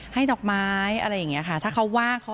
ให้ดอกไม้อะไรอย่างนี้ค่ะ